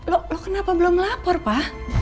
lo kenapa belum lapor pak